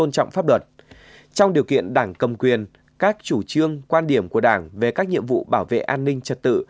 trong điều kiện đảng cầm quyền các chủ trương quan điểm của đảng về các nhiệm vụ bảo vệ an ninh trật tự